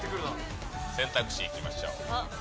選択肢いきましょう。